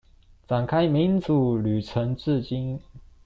展開民主旅程至今